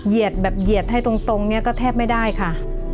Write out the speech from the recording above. เหยียดแบบหยียดให้ตรงนะเขาแทบไม่ได้ค่ะ